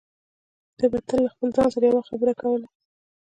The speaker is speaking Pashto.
ده به تل له خپل ځان سره يوه خبره کوله.